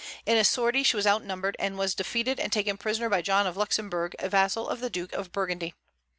In a sortie she was outnumbered, and was defeated and taken prisoner by John of Luxemburg, a vassal of the Duke of Burgundy.